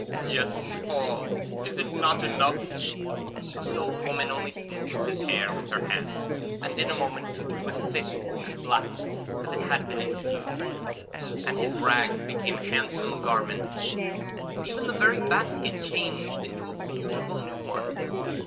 'Yes, all! Is it not enough?' But the old woman only smoothed his hair with her hand, and in a moment it was thick and black as it had been in his youth, and his rags became handsome garments. Even the very basket changed into a beautiful new one.